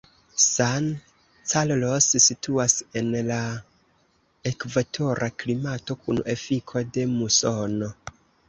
San Carlos situas en la ekvatora klimato kun efiko de musono.